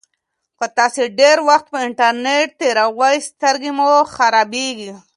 که تاسي ډېر وخت په انټرنيټ تېروئ سترګې مو خرابیږي.